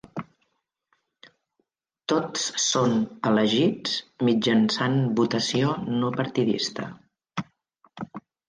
Tots són elegits mitjançant votació no partidista.